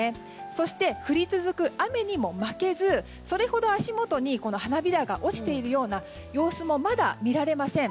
そして、降り続く雨にも負けずそれほど足元に花びらが落ちているような様子もまだ見られません。